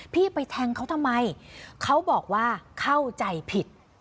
ไปแทงเขาทำไมเขาบอกว่าเข้าใจผิด